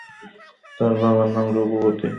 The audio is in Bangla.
তার বাবার নাম রঘুপতি।